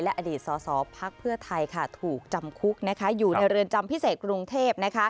อดีตสสพักเพื่อไทยถูกจำคุกอยู่ในเรือนจำพิเศษกรุงเทพ